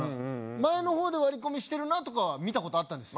前の方で割り込みしてるなとかは見たことあったんですよ